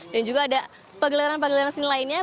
dan juga ada pegelaran pegelaran lainnya